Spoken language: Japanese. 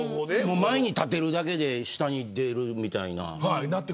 前に立てるだけで下に出るみたいな。